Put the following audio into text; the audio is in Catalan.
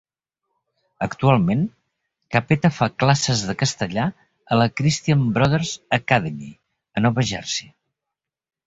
Actualment, Cappetta fa classes de castellà a la Christian Brothers Academy, a Nova Jersei.